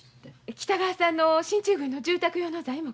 北川さんの進駐軍の住宅用の材木。